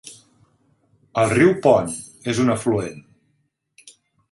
El riu Pont és un afluent.